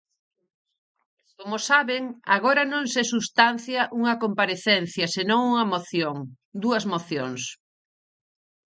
Como saben, agora non se substancia unha comparecencia senón unha moción, dúas mocións.